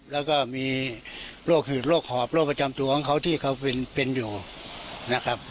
แล้วก็มีโรคหืดโรคหอบโรคประจำตัวของเขาที่เขาเป็นอยู่นะครับ